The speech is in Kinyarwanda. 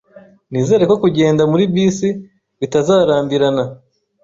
Nizere ko kugenda muri bisi bitazarambirana.